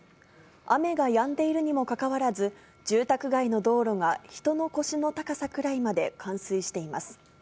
雨がやんでいるにもかかわらず、住宅街の道路が人の腰の高さくらいまで冠水しています。